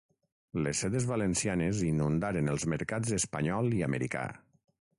Les sedes valencianes inundaren els mercats espanyol i americà.